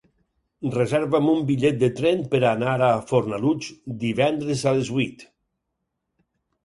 Reserva'm un bitllet de tren per anar a Fornalutx divendres a les vuit.